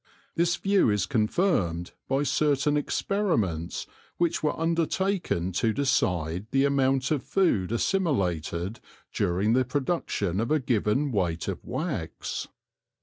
This view is confirmed by certain experiments which were undertaken to decide the amount of food assimilated during the production of a given weight of wax.